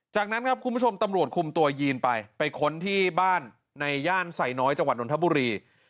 จากนั้นครับคุณผู้ชมตำรวจคุมตัวยีนไปไปค้นที่บ้านในย่านไซน้อยจังหวัดนทบุรี